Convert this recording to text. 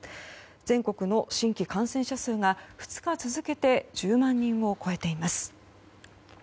全国の新規感染者数が２日続けて１０万人を超えています。